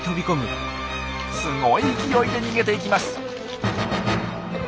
すごい勢いで逃げていきます。